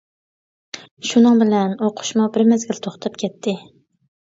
شۇنىڭ بىلەن ئوقۇشمۇ بىر مەزگىل توختاپ كەتتى.